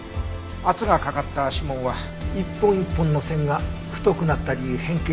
圧がかかった指紋は一本一本の線が太くなったり変形したりする。